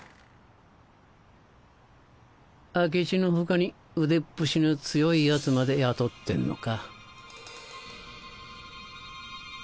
明智の他に腕っ節の強いヤツまで雇ってんのか。